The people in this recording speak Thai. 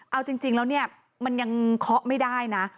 เอาจริงแล้วเนี่ยมันยังเคาะไม่ได้นะ